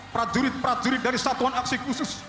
prajurit prajurit dari satuan aksi khusus